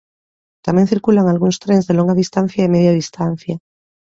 Tamén circulan algúns trens de longa distancia e Media Distancia.